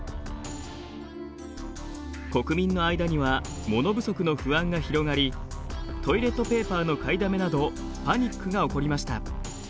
国民の間には物不足の不安が広がりトイレットペーパーの買いだめなどパニックが起こりました。